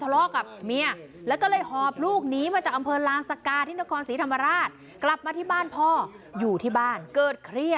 ร้องห่มร้องไห้แบบนี้